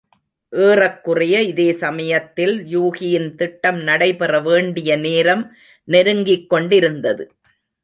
ஏறக்குறைய இதே சமயத்தில் யூகியின் திட்டம் நடைபெற வேண்டிய நேரம் நெருங்கிக் கொண்டிருந்தது.